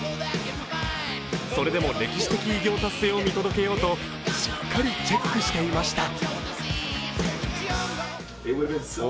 それでも歴史的偉業達成を見届けようとしっかりチェックしていました。